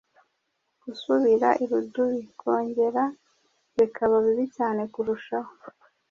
Gusubira irudubi: kongera bikaba bibi cyane kurushaho